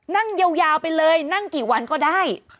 นั่งยาวไปเลยนั่งกี่วันก็ได้